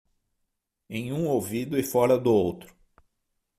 Em um ouvido e fora do outro.